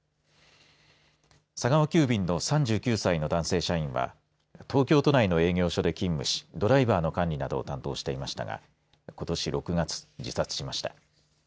佐川急便の３９歳の男性社員は東京都内の営業所で勤務しドライバーの管理などを担当していましたがことし６月、自殺しました。